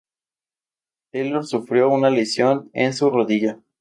Taylor sufrió una lesión en su rodilla.